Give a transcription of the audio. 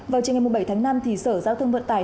vào chiều ngày bảy tháng năm thì sở giao thông vận tải